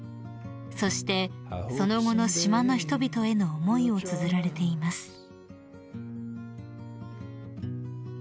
［そしてその後の島の人々への思いをつづられています］